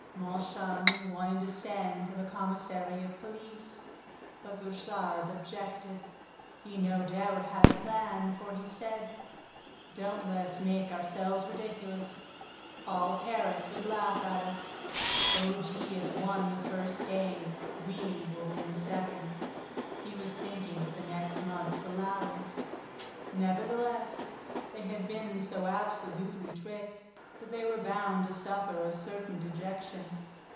Moncharmin wanted to send for the commissary of police, but Richard objected. He no doubt had a plan, for he said: "Don't let us make ourselves ridiculous! All Paris would laugh at us. O. G. has won the first game: we will win the second." He was thinking of the next month's allowance. Nevertheless, they had been so absolutely tricked that they were bound to suffer a certain dejection.